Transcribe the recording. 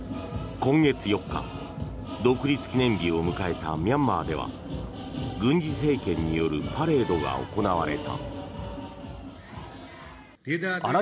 今月４日、独立記念日を迎えたミャンマーでは軍事政権によるパレードが行われた。